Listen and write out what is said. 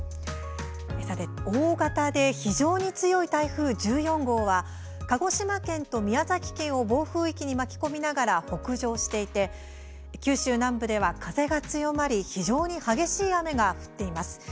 大型で非常に強い台風１４号は鹿児島県と宮崎県を暴風域に巻き込みながら北上していて九州南部では風が強まり非常に激しい雨が降っています。